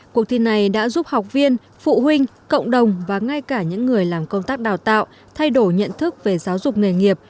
cuộc thi này đã giúp học viên phụ huynh cộng đồng và ngay cả những người làm công tác đào tạo thay đổi nhận thức về giáo dục nghề nghiệp